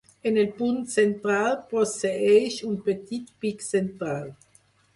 En el punt central posseeix un petit pic central.